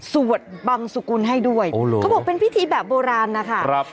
สวดบังสุกุลให้ด้วยเขาบอกเป็นพิธีแบบโบราณนะคะครับ